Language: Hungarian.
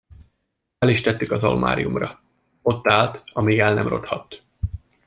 Fel is tettük az almáriumra, ott állt, amíg el nem rothadt.